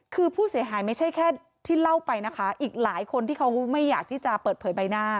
คือผู้เสียหายไม่ใช่แค่ที่เล่าไปนะคะอีกหลายคนที่เขาไม่อยากที่จะเปิดเผยใบหน้า